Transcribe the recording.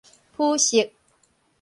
殕色